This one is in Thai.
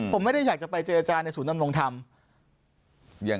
ผมไม่ได้อยากจะไปเจรจาในศูนยำรงธรรม